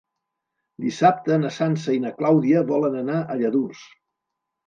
Dissabte na Sança i na Clàudia volen anar a Lladurs.